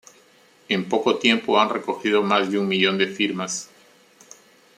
En poco tiempo han recogido más de un millón de firmas.